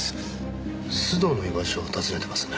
須藤の居場所を尋ねてますね。